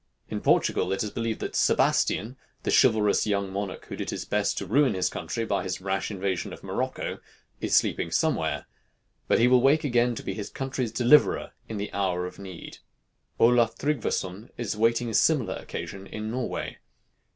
In Portugal it is believed that Sebastian, the chivalrous young monarch who did his best to ruin his country by his rash invasion of Morocco, is sleeping somewhere; but he will wake again to be his country's deliverer in the hour of need. Olaf Tryggvason is waiting a similar occasion in Norway.